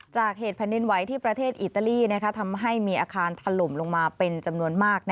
จากเหตุแผ่นดินไหวที่ประเทศอิตาลีทำให้มีอาคารถล่มลงมาเป็นจำนวนมาก